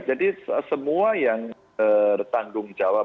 jadi semua yang tertanggung jawab